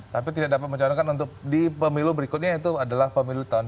tapi tidak dapat mencalonkan untuk di pemilu berikutnya yaitu adalah pemilu tahun dua ribu sembilan